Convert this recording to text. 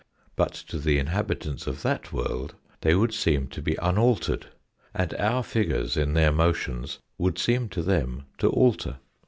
But to the inhabitants of that world they would seem to be unaltered, and our figures in their motions would seem to them to alter.